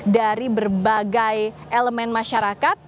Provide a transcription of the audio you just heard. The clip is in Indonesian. dari berbagai elemen masyarakat